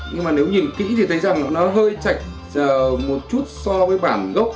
nhưng mà nếu nhìn kỹ thì thấy rằng nó hơi chạch một chút so với bản gốc